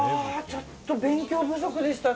ちょっと勉強不足でした。